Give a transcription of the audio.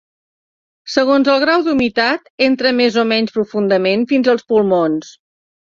Segons el grau d'humitat entra més o menys profundament fins als pulmons.